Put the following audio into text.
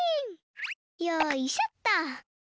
よいしょっと。